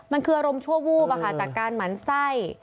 มันคืออารมณ์ชั่ววูบจากการหมั่นไส้